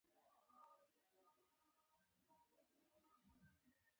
سبا به څه وشي